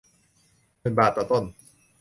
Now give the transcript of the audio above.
หมื่นบาทต่อต้น